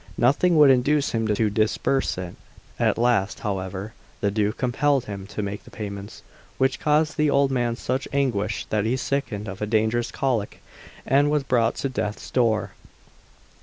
Nothing would induce him to disburse it; at last, however, the Duke compelled him to make the payments, which caused the old man such anguish that he sickened of a dangerous colic and was brought to death's door.